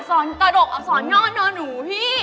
สะดวกอับสอนยอนหนอนหนูพี่